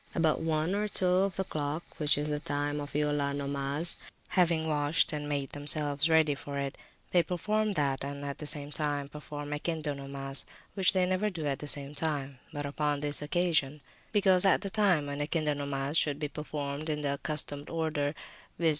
About one or two of the clock, which is the time of Eulea nomas, having washed and made themselves ready for it, they perform that, and at the same time perform Ekinde nomas, which they never do at one time, but upon this occasion; because at the time when Ekinde nomas should be performed in the accustomed order, viz.